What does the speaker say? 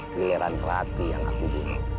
pilihan ratih yang aku bunuh